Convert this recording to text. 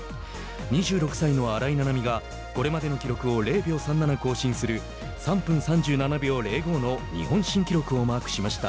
２６歳の荒井七海がこれまでの記録を０秒３７更新する３分３７秒０５の日本新記録をマークしました。